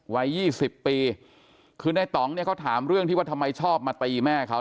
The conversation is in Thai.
วัย๒๐ปีคือในต่องเนี่ยเขาถามเรื่องที่ว่าทำไมชอบมาตีแม่เขา